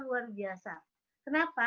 luar biasa kenapa